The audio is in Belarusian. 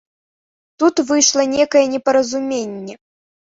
Тут выйшла нейкае непаразуменне.